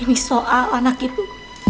ini soal anak itu